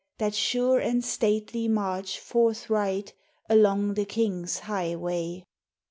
103 That sure and stately march, forthright Along the King's highway